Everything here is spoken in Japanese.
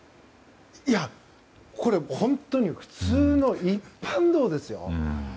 これ、本当に普通の一般道ですよ。